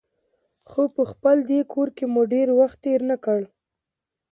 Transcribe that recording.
خو په خپل دې کور کې مو ډېر وخت تېر نه کړ.